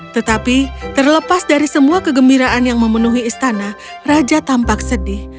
tetapi terlepas dari semua kegembiraan yang memenuhi istana raja tampak sedih